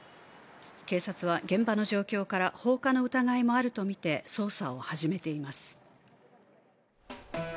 警察は現場の状況から放火の疑いもあるとみて捜査を始めています。